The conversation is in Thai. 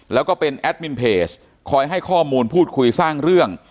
แล้วก็เป็นแอดมินเพจคอยให้ข้อมูลพูดคุยสร้างเรื่อง